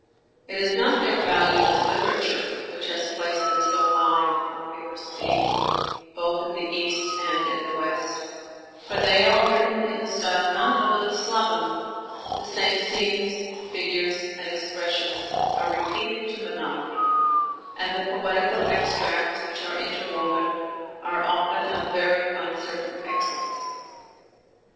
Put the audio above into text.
It is not their value as literature which has placed them so high in the popular esteem, both in the East and in the West; for they are written in a style not a little slovenly, the same scenes, figures, and expressions are repeated to monotony, and the poetical extracts which are interwoven are often of very uncertain excellence.